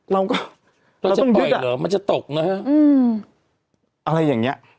เราก็เราจะปล่อยเหรอมันจะตกนะฮะอะไรอย่างเงี้ย